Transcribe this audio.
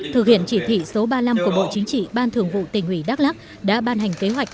thực hiện chỉ thị số ba mươi năm của bộ chính trị ban thường vụ tỉnh ủy đắk lắc đã ban hành kế hoạch